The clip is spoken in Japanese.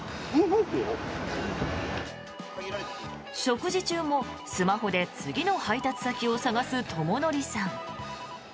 食事中もスマホで次の配達先を探すＴＯＭＯＮＯＲＩさん。